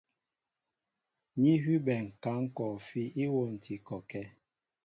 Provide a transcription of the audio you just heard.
Ní hʉbɛ ŋ̀kǎŋ kɔɔfí íwôntǐ kɔkɛ́.